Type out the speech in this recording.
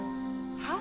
はっ？